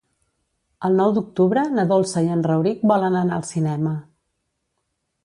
El nou d'octubre na Dolça i en Rauric volen anar al cinema.